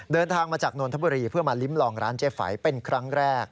เดินทางมาจากนนทบุรีเพื่อมาลิ้มลองร้านเจ๊ไฝเป็นครั้งแรก